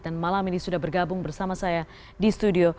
dan malam ini sudah bergabung bersama saya di studio